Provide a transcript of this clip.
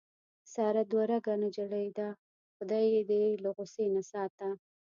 ساره دوه رګه نجیلۍ ده. خدای یې دې له غوسې نه ساته.